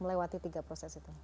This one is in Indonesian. melewati tiga proses itu